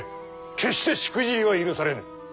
決してしくじりは許されぬ。